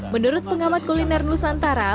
menurut pengamat kuliner nusantara